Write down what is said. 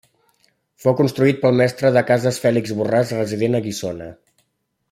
Fou construït pel mestre de cases Fèlix Borràs resident a Guissona.